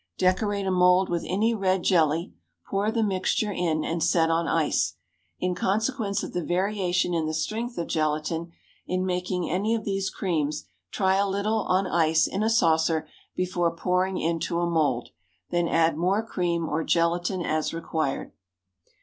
Decorate a mould with any red jelly, pour the mixture in, and set on ice. In consequence of the variation in the strength of gelatine, in making any of these creams try a little on ice in a saucer before pouring into a mould, then add more cream or gelatine as required.